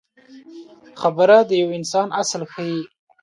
خبره د یو انسان اصل ښيي.